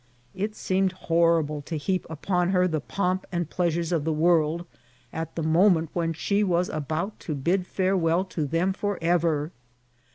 It seemed horrible to heap upon her the pomp and pleasures of the world, at the moment when she was about to bid farewell to them forever.